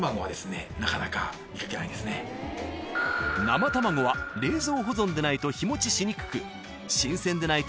［生卵は冷蔵保存でないと日持ちしにくく］